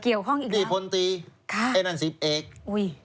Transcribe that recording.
เกี่ยวข้องอีกแล้วนี่พลตีค่ะไอ้นั่นสิบเอกอุ้ย